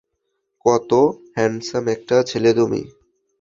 কত হ্যাঁন্ডসাম একটা ছেলে তুমি।